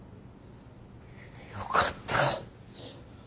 よかった。